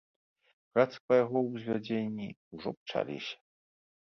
Працы па яго ўзвядзенні ўжо пачаліся.